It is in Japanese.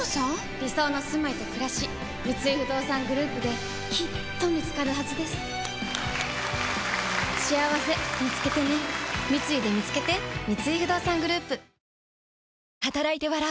理想のすまいとくらし三井不動産グループできっと見つかるはずですしあわせみつけてね三井でみつけてごめんな。